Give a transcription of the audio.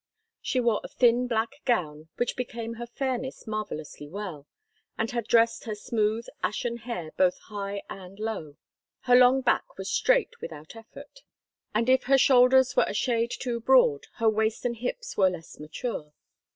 She wore a thin black gown which became her fairness marvellously well, and had dressed her smooth, ashen hair both high and low. Her long back was straight without effort, and if her shoulders were a shade too broad her waist and hips were less mature.